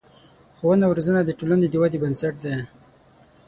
ښوونه او روزنه د ټولنې د ودې بنسټ دی.